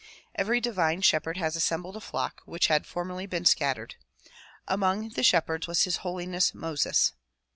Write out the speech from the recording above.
Every divine shepherd has assembled a flock which had formerly been scattered. Among the shepherds was His Holiness Moses.